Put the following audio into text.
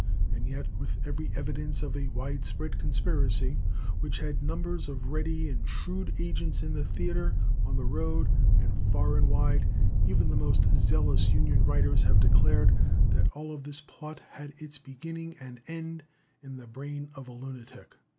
And yet, with every evidence of a widespread conspiracy which had numbers of ready and shrewd agents in the theatre, on the road, and far and wide, even the most zealous Union writers have declared that all this plot had its beginning and end in the brain of a lunatic!